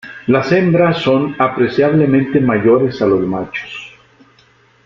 Las hembras son apreciablemente mayores a los machos.